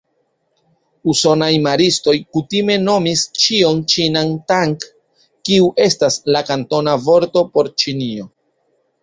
Usonaj maristoj kutime nomis ĉion ĉinan "Tang", kiu estas la kantona vorto por Ĉinio.